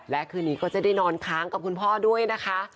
และคืนนี้ก็จะได้นอนค้างกับคุณพ่อด้วยนะคะ